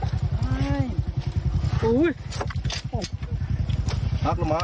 แบกลงมา